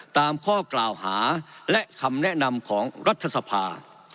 ตามข้อกล่าวหาและคำแนะนำของรัฐสภา